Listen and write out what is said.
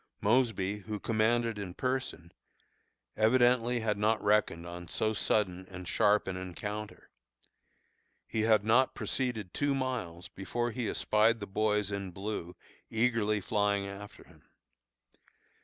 Mosby, who commanded in person, evidently had not reckoned on so sudden and sharp an encounter. He had not proceeded two miles before he espied the boys in blue eagerly flying after him.